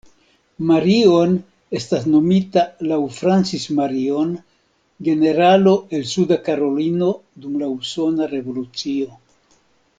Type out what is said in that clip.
Marion estas nomita laŭ Francis Marion, generalo el Suda Karolino dum la Usona Revolucio.